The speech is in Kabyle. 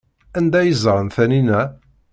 Anda ay ẓran Taninna?